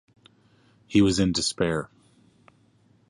He was in despair.